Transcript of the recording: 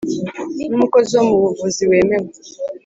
N umukozi wo mu buvuzi wemewe